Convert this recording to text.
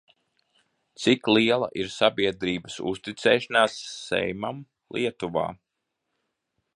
Cik liela ir sabiedrības uzticēšanās Seimam Lietuvā?